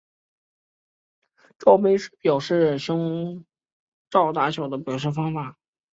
罩杯是表示胸罩的大小的表示方式。